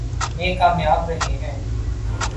میں کامیاب رہے ہیں۔